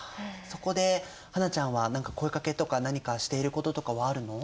そこで英ちゃんは声かけとか何かしていることとかはあるの？